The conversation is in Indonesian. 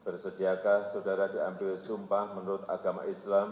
bersediakah saudara diambil sumpah menurut agama islam